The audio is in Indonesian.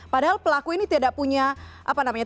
padahal pelaku ini tidak punya apa namanya